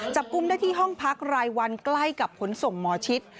กุมได้ที่ห้องพักรายวันใกล้กับขนส่งหมอชิด